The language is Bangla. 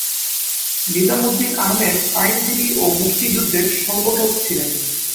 নিজাম উদ্দীন আহমেদ আইনজীবী ও মুক্তিযুদ্ধের সংগঠক ছিলেন।